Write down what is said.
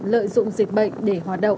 và lợi dụng dịch bệnh để hoạt động